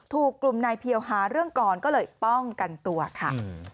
ถูกกลุ่มนายเพียวหาเรื่องก่อนก็เลยป้องกันตัวค่ะ